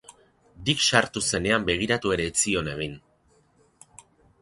Dick sartu zenean begiratu ere ez zion egin.